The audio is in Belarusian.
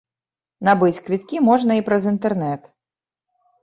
Набыць квіткі можна і праз інтэрнэт.